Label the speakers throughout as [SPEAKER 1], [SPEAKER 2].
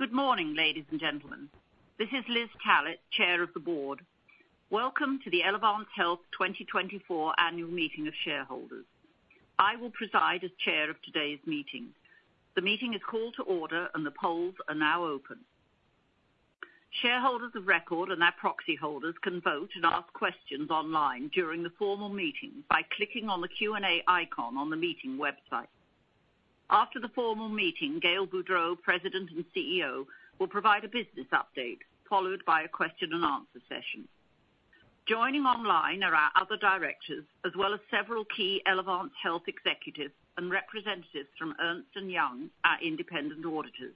[SPEAKER 1] Good morning, ladies and gentlemen. This is Liz Tallett, Chair of the Board. Welcome to the Elevance Health 2024 annual meeting of shareholders. I will preside as Chair of today's meeting. The meeting is called to order, and the polls are now open. Shareholders of record and their proxy holders can vote and ask questions online during the formal meeting by clicking on the Q&A icon on the meeting website. After the formal meeting, Gail Boudreaux, President and CEO, will provide a business update followed by a question-and-answer session. Joining online are our other directors as well as several key Elevance Health executives and representatives from Ernst & Young, our independent auditors.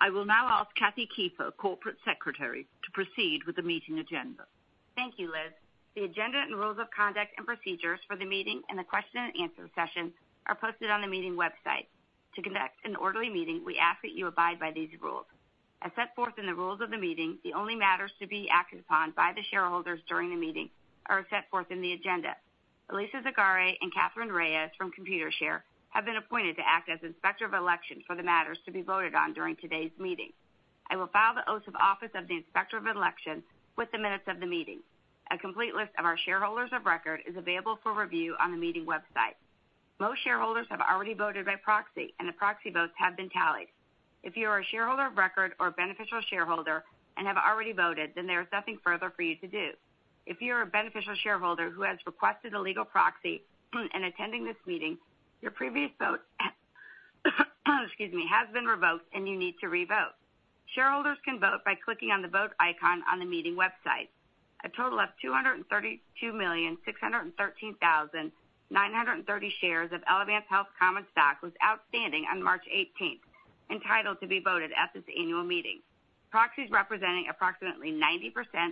[SPEAKER 1] I will now ask Kathleen Kiefer, Corporate Secretary, to proceed with the meeting agenda.
[SPEAKER 2] Thank you, Liz. The agenda and rules of conduct and procedures for the meeting and the question-and-answer session are posted on the meeting website. To conduct an orderly meeting, we ask that you abide by these rules. As set forth in the rules of the meeting, the only matters to be acted upon by the shareholders during the meeting are as set forth in the agenda. Alisa Zagare and Kathleen Reyes from Computershare have been appointed to act as inspector of election for the matters to be voted on during today's meeting. I will file the oath of office of the inspector of election with the minutes of the meeting. A complete list of our shareholders of record is available for review on the meeting website. Most shareholders have already voted by proxy, and the proxy votes have been tallied. If you are a shareholder of record or a beneficial shareholder and have already voted, then there is nothing further for you to do. If you are a beneficial shareholder who has requested a legal proxy in attending this meeting, your previous vote, excuse me, has been revoked, and you need to revote. Shareholders can vote by clicking on the vote icon on the meeting website. A total of 232,613,930 shares of Elevance Health Common Stock was outstanding on March 18th, entitled to be voted at this annual meeting. Proxies representing approximately 90%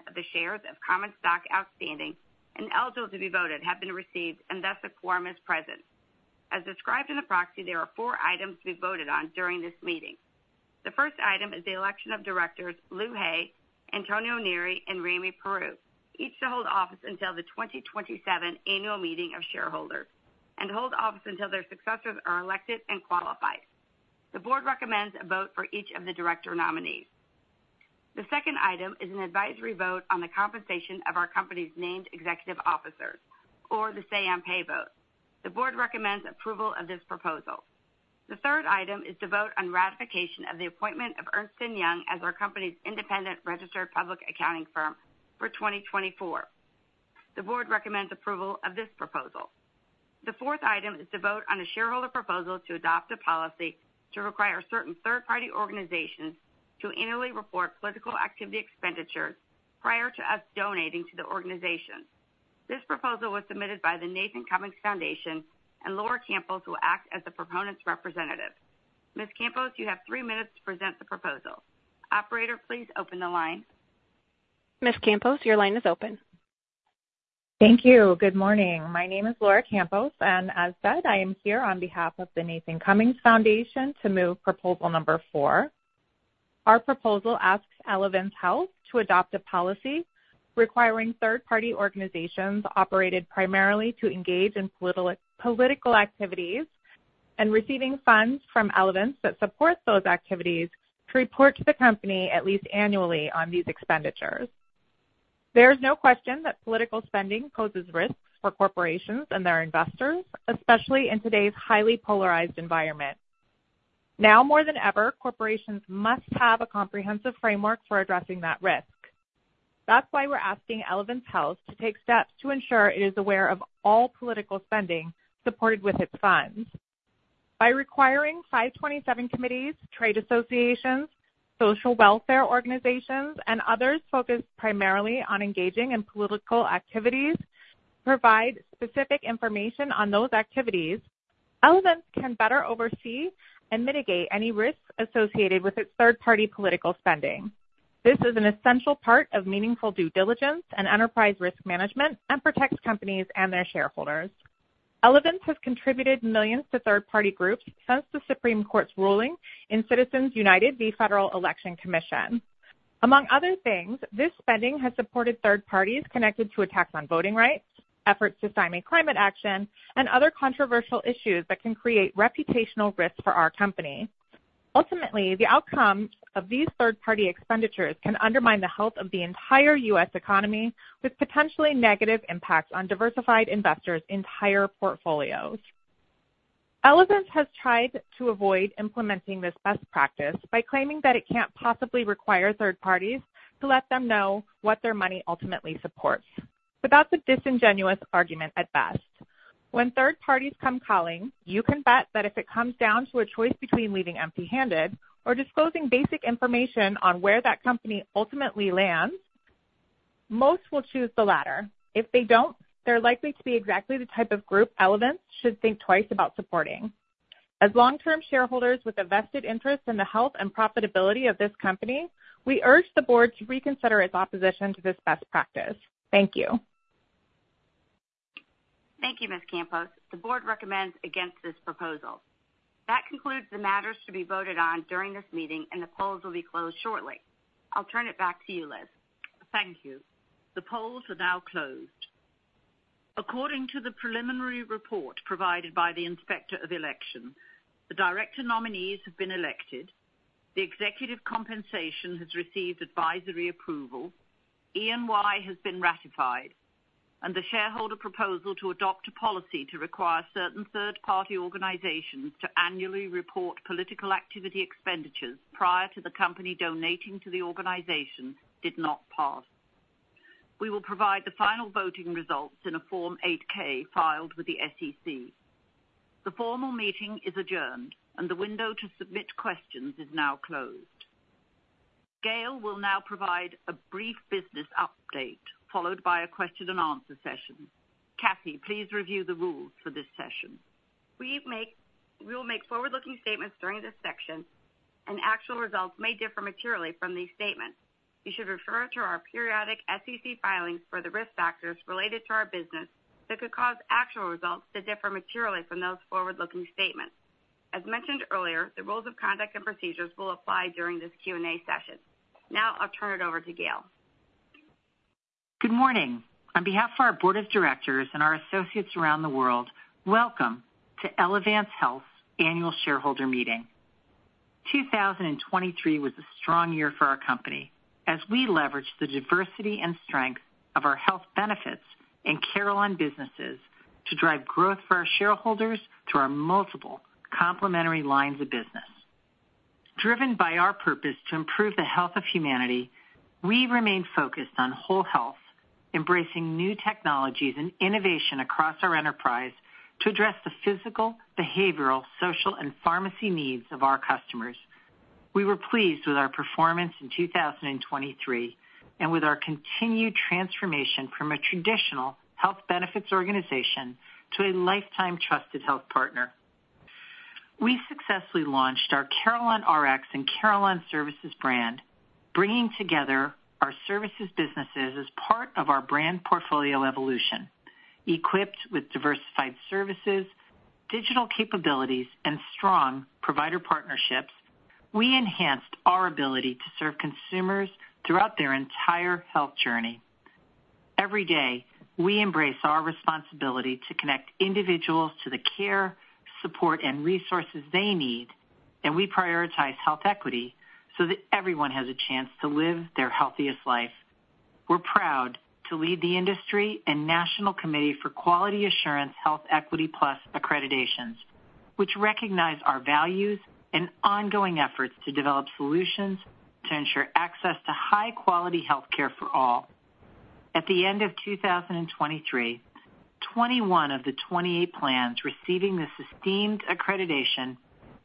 [SPEAKER 2] of the shares of Common Stock outstanding and eligible to be voted have been received, and thus a quorum is present. As described in the proxy, there are four items to be voted on during this meeting. The first item is the election of directors Lou Hay, Antonio Neri, and Rami Peru, each to hold office until the 2027 annual meeting of shareholders and hold office until their successors are elected and qualified. The board recommends a vote for each of the director nominees. The second item is an advisory vote on the compensation of our company's named executive officers, or the Say-on-Pay vote. The board recommends approval of this proposal. The third item is to vote on ratification of the appointment of Ernst & Young as our company's independent registered public accounting firm for 2024. The board recommends approval of this proposal. The fourth item is to vote on a shareholder proposal to adopt a policy to require certain third-party organizations to annually report political activity expenditures prior to us donating to the organization. This proposal was submitted by the Nathan Cummings Foundation, and Laura Campos will act as the proponent's representative. Ms. Campos, you have three minutes to present the proposal. Operator, please open the line.
[SPEAKER 3] Ms. Campos, your line is open.
[SPEAKER 4] Thank you. Good morning. My name is Laura Campos, and as said, I am here on behalf of the Nathan Cummings Foundation to move proposal number four. Our proposal asks Elevance Health to adopt a policy requiring third-party organizations operated primarily to engage in political activities and receiving funds from Elevance that support those activities to report to the company at least annually on these expenditures. There is no question that political spending poses risks for corporations and their investors, especially in today's highly polarized environment. Now more than ever, corporations must have a comprehensive framework for addressing that risk. That's why we're asking Elevance Health to take steps to ensure it is aware of all political spending supported with its funds. By requiring 527 committees, trade associations, social welfare organizations, and others focused primarily on engaging in political activities to provide specific information on those activities, Elevance can better oversee and mitigate any risks associated with its third-party political spending. This is an essential part of meaningful due diligence and enterprise risk management and protects companies and their shareholders. Elevance has contributed $millions to third-party groups since the Supreme Court's ruling in Citizens United v. Federal Election Commission. Among other things, this spending has supported third parties connected to attacks on voting rights, efforts to stymie climate action, and other controversial issues that can create reputational risks for our company. Ultimately, the outcome of these third-party expenditures can undermine the health of the entire U.S. economy with potentially negative impacts on diversified investors' entire portfolios. Elevance has tried to avoid implementing this best practice by claiming that it can't possibly require third parties to let them know what their money ultimately supports, but that's a disingenuous argument at best. When third parties come calling, you can bet that if it comes down to a choice between leaving empty-handed or disclosing basic information on where that company ultimately lands, most will choose the latter. If they don't, they're likely to be exactly the type of group Elevance should think twice about supporting. As long-term shareholders with a vested interest in the health and profitability of this company, we urge the board to reconsider its opposition to this best practice. Thank you.
[SPEAKER 2] Thank you, Ms. Campos. The board recommends against this proposal. That concludes the matters to be voted on during this meeting, and the polls will be closed shortly. I'll turn it back to you, Liz.
[SPEAKER 1] Thank you. The polls are now closed. According to the preliminary report provided by the inspector of election, the director nominees have been elected, the executive compensation has received advisory approval, E&Y has been ratified, and the shareholder proposal to adopt a policy to require certain third-party organizations to annually report political activity expenditures prior to the company donating to the organization did not pass. We will provide the final voting results in a Form 8-K filed with the SEC. The formal meeting is adjourned, and the window to submit questions is now closed. Gail will now provide a brief business update followed by a question-and-answer session. Kathleen, please review the rules for this session.
[SPEAKER 2] We will make forward-looking statements during this section, and actual results may differ materially from these statements. You should refer to our periodic SEC filings for the risk factors related to our business that could cause actual results to differ materially from those forward-looking statements. As mentioned earlier, the rules of conduct and procedures will apply during this Q&A session. Now I'll turn it over to Gail.
[SPEAKER 5] Good morning. On behalf of our board of directors and our associates around the world, welcome to Elevance Health's annual shareholder meeting. 2023 was a strong year for our company as we leveraged the diversity and strength of our health benefits and Carelon businesses to drive growth for our shareholders through our multiple complementary lines of business. Driven by our purpose to improve the health of humanity, we remain focused on whole health, embracing new technologies and innovation across our enterprise to address the physical, behavioral, social, and pharmacy needs of our customers. We were pleased with our performance in 2023 and with our continued transformation from a traditional health benefits organization to a lifetime trusted health partner. We successfully launched our CarelonRx and Carelon Services brand, bringing together our services businesses as part of our brand portfolio evolution. Equipped with diversified services, digital capabilities, and strong provider partnerships, we enhanced our ability to serve consumers throughout their entire health journey. Every day, we embrace our responsibility to connect individuals to the care, support, and resources they need, and we prioritize health equity so that everyone has a chance to live their healthiest life. We're proud to lead the industry and National Committee for Quality Assurance Health Equity Plus accreditations, which recognize our values and ongoing efforts to develop solutions to ensure access to high-quality healthcare for all. At the end of 2023, 21 of the 28 plans receiving this esteemed accreditation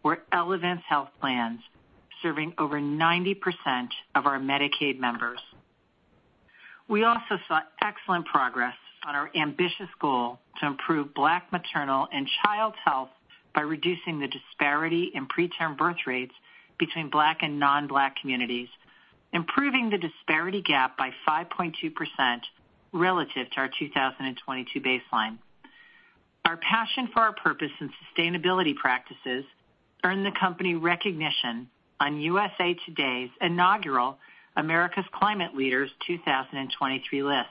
[SPEAKER 5] were Elevance Health plans serving over 90% of our Medicaid members. We also saw excellent progress on our ambitious goal to improve Black maternal and child health by reducing the disparity in preterm birth rates between Black and non-Black communities, improving the disparity gap by 5.2% relative to our 2022 baseline. Our passion for our purpose and sustainability practices earned the company recognition on USA Today’s inaugural America's Climate Leaders 2023 list.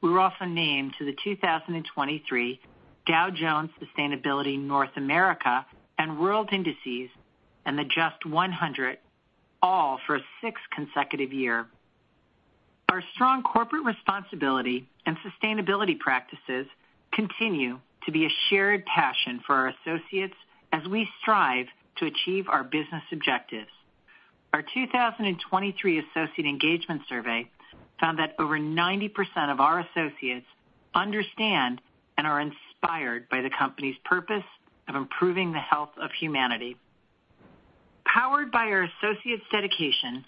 [SPEAKER 5] We were also named to the 2023 Dow Jones Sustainability North America and World Indices and the JUST 100, all for a sixth consecutive year. Our strong corporate responsibility and sustainability practices continue to be a shared passion for our associates as we strive to achieve our business objectives. Our 2023 Associate Engagement Survey found that over 90% of our associates understand and are inspired by the company's purpose of improving the health of humanity. Powered by our associates' dedication,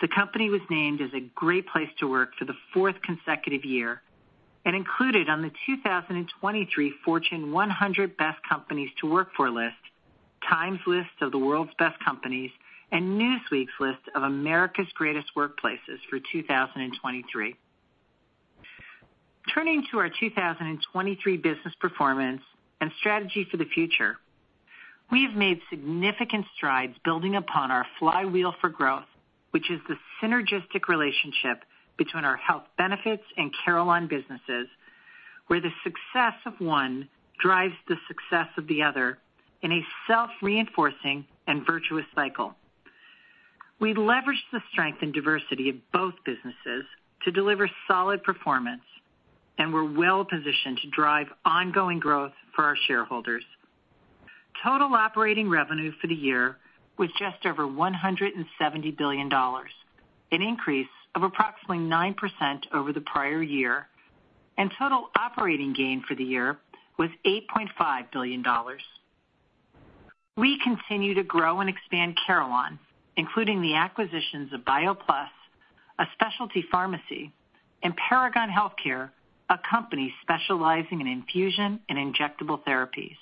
[SPEAKER 5] the company was named as a great place to work for the fourth consecutive year and included on the 2023 Fortune's 100 Best Companies to Work For list, Time's list of the World's Best Companies, and Newsweek's list of America's Greatest Workplaces for 2023. Turning to our 2023 business performance and strategy for the future, we have made significant strides building upon our flywheel for growth, which is the synergistic relationship between our health benefits and Carelon businesses, where the success of one drives the success of the other in a self-reinforcing and virtuous cycle. We leveraged the strength and diversity of both businesses to deliver solid performance, and we're well-positioned to drive ongoing growth for our shareholders. Total operating revenue for the year was just over $170 billion, an increase of approximately 9% over the prior year, and total operating gain for the year was $8.5 billion. We continue to grow and expand Carelon, including the acquisitions of BioPlus, a specialty pharmacy, and Paragon Healthcare, a company specializing in infusion and injectable therapies.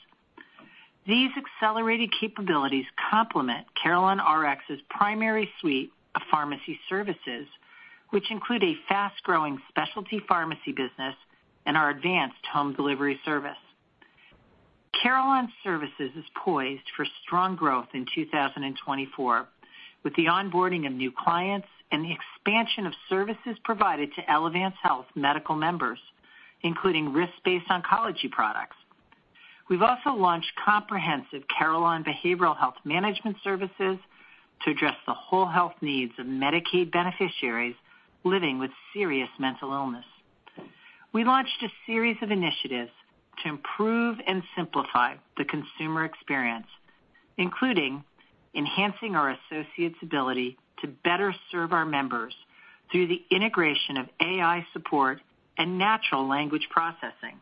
[SPEAKER 5] These accelerated capabilities complement CarelonRx's primary suite of pharmacy services, which include a fast-growing specialty pharmacy business and our advanced home delivery service. Carelon's services are poised for strong growth in 2024 with the onboarding of new clients and the expansion of services provided to Elevance Health medical members, including risk-based oncology products. We've also launched comprehensive Carelon Behavioral Health Management Services to address the whole health needs of Medicaid beneficiaries living with serious mental illness. We launched a series of initiatives to improve and simplify the consumer experience, including enhancing our associates' ability to better serve our members through the integration of AI support and natural language processing.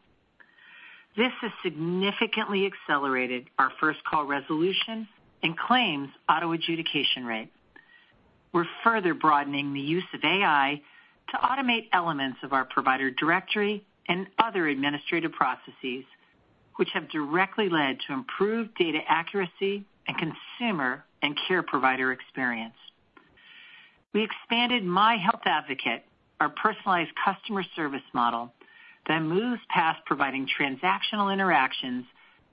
[SPEAKER 5] This has significantly accelerated our first-call resolution and claims auto-adjudication rate. We're further broadening the use of AI to automate elements of our provider directory and other administrative processes, which have directly led to improved data accuracy and consumer and care provider experience. We expanded My Health Advocate, our personalized customer service model that moves past providing transactional interactions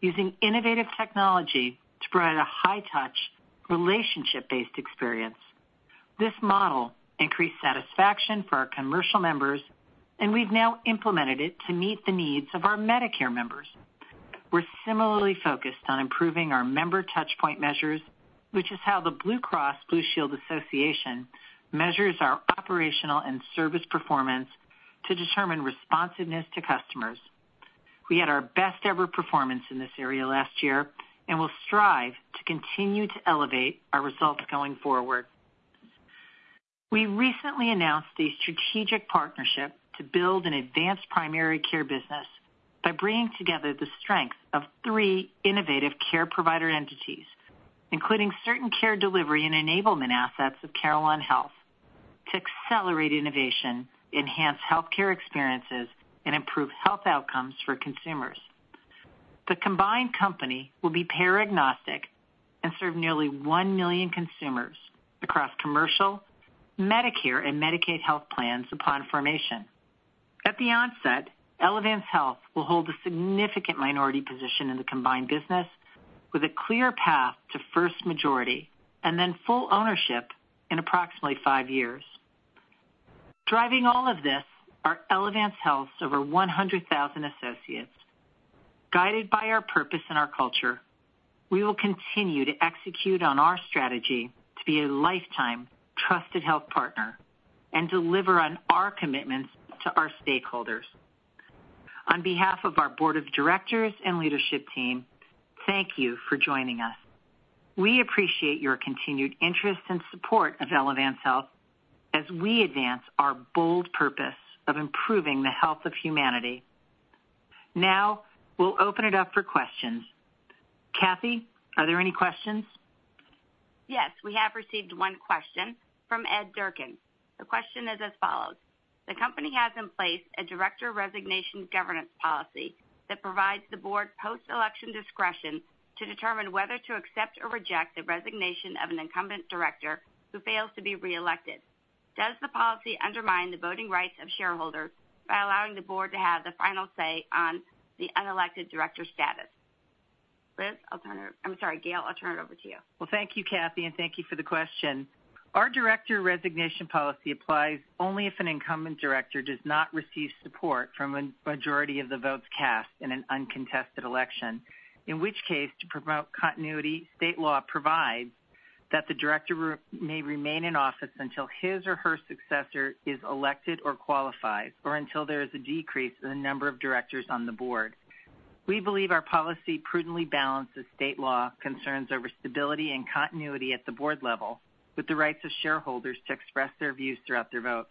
[SPEAKER 5] using innovative technology to provide a high-touch, relationship-based experience. This model increased satisfaction for our commercial members, and we've now implemented it to meet the needs of our Medicare members. We're similarly focused on improving our member touchpoint measures, which is how the Blue Cross Blue Shield Association measures our operational and service performance to determine responsiveness to customers. We had our best-ever performance in this area last year and will strive to continue to elevate our results going forward. We recently announced a strategic partnership to build an advanced primary care business by bringing together the strength of three innovative care provider entities, including certain care delivery and enablement assets of Carelon, to accelerate innovation, enhance healthcare experiences, and improve health outcomes for consumers. The combined company will be payer-agnostic and serve nearly 1 million consumers across commercial, Medicare, and Medicaid health plans upon formation. At the onset, Elevance Health will hold a significant minority position in the combined business with a clear path to first majority and then full ownership in approximately five years. Driving all of this are Elevance Health's over 100,000 associates. Guided by our purpose and our culture, we will continue to execute on our strategy to be a lifetime trusted health partner and deliver on our commitments to our stakeholders. On behalf of our board of directors and leadership team, thank you for joining us. We appreciate your continued interest and support of Elevance Health as we advance our bold purpose of improving the health of humanity. Now we'll open it up for questions. Kathleen, are there any questions?
[SPEAKER 2] Yes, we have received one question from Ed Durkin. The question is as follows: The company has in place a director resignation governance policy that provides the board post-election discretion to determine whether to accept or reject the resignation of an incumbent director who fails to be reelected. Does the policy undermine the voting rights of shareholders by allowing the board to have the final say on the unelected director status? Liz, I'll turn it over. I'm sorry, Gail, I'll turn it over to you.
[SPEAKER 5] Well, thank you, Kathleen, and thank you for the question. Our director resignation policy applies only if an incumbent director does not receive support from a majority of the votes cast in an uncontested election, in which case, to promote continuity, state law provides that the director may remain in office until his or her successor is elected or qualifies, or until there is a decrease in the number of directors on the board. We believe our policy prudently balances state law concerns over stability and continuity at the board level with the rights of shareholders to express their views throughout their vote.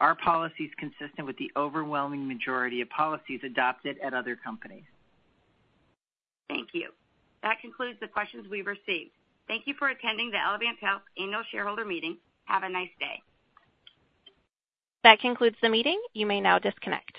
[SPEAKER 5] Our policy is consistent with the overwhelming majority of policies adopted at other companies.
[SPEAKER 2] Thank you. That concludes the questions we've received. Thank you for attending the Elevance Health annual shareholder meeting. Have a nice day.
[SPEAKER 3] That concludes the meeting. You may now disconnect.